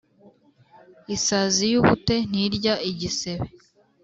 Isazi y’ubute ntirya igisebe.